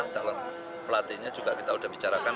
calon pelatihnya juga kita sudah bicarakan